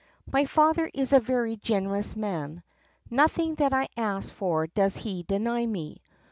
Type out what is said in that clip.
"My father is a very generous man. Nothing that I ask for does he deny me.